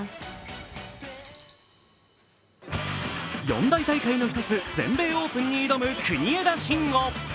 四大大会の一つ、全米オープンに挑む国枝慎吾。